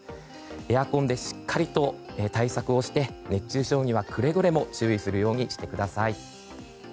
エアコンでしっかりと対策をして熱中症には、くれぐれも注意するようにしてください。